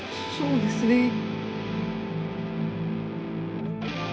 そうですね。